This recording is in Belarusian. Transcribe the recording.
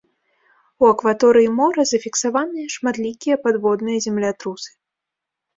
У акваторыі мора зафіксаваныя шматлікія падводныя землятрусы.